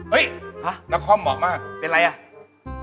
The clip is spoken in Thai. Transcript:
เฮ้ยณคอมเหมาะมากเป็นอะไรยัง